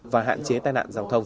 mật độ giao thông